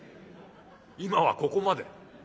今はここまで。